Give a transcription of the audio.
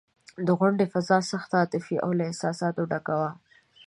د غونډې فضا سخته عاطفي او له احساساتو ډکه وه.